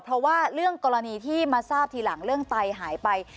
เพราะว่าเรื่องกรณีที่มาทราบทีหลังเรื่องไตหายไป